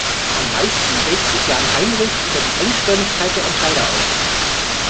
Am meisten regt sich Jan-Heinrich über die Engstirnigkeit der Entscheider auf.